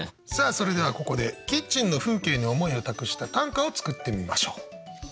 さあそれではここでキッチンの風景に思いを託した短歌を作ってみましょう。